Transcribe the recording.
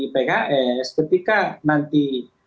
pks ketika nanti